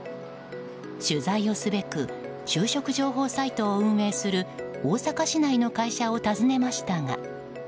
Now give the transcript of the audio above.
取材をすべく就職情報サイトを運営する大阪市内の会社を訪ねましたが。